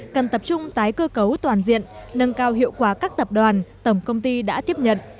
cần tập trung tái cơ cấu toàn diện nâng cao hiệu quả các tập đoàn tổng công ty đã tiếp nhận